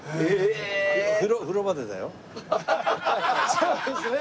そうですね。